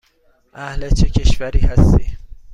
اهل چه کشوری هستی؟